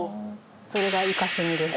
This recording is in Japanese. それがイカ墨です。